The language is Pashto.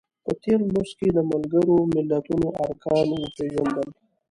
په تېر لوست کې د ملګرو ملتونو ارکان وپیژندل.